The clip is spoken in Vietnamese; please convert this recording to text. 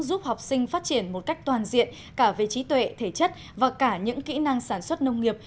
giúp học sinh phát triển một cách toàn diện cả về trí tuệ thể chất và cả những kỹ năng sản xuất nông nghiệp